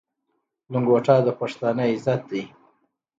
لنګوټه د پښتانه عزت دی.